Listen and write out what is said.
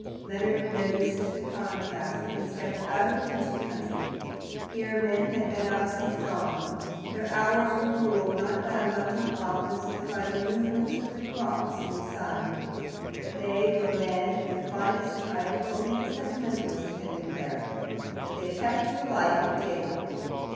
Leonard noticed the contrast when he stepped out of it into the country. Here men had been up since dawn. Their hours were ruled, not by a London office, but by the movements of the crops and the sun. That they were men of the finest type only the sentimentalist can declare. But they kept to the life of daylight.